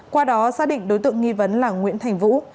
qua đó xác định đối tượng nghi vấn là nguyễn thành vũ